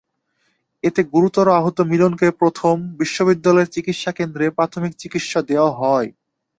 এতে গুরুতর আহত মিলনকে প্রথমে বিশ্ববিদ্যালয়ের চিকিৎসাকেন্দ্রে প্রাথমিক চিকিৎসা দেওয়া হয়।